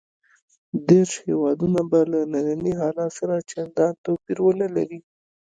دېرش هېوادونه به له ننني حالت سره چندان توپیر ونه لري.